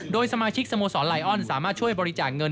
โดยสมาชิกสโมสรไลออนสามารถช่วยบริจาคเงิน